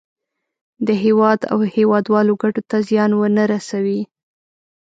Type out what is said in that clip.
د هېواد او هېوادوالو ګټو ته زیان ونه رسوي.